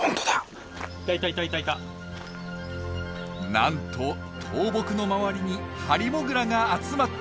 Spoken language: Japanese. なんと倒木の周りにハリモグラが集まっています！